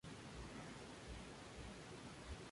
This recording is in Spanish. Se entrevistó con el presidente Antonio López de Santa Anna.